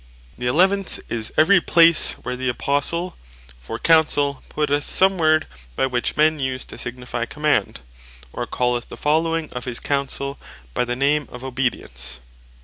The eleventh, is every place, where the Apostle for Counsell, putteth some word, by which men use to signifie Command; or calleth the following of his Counsell, by the name of Obedience.